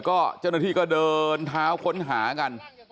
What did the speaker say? ก็เจ้าหน้าที่ก็เดินเท้าค้นหากัน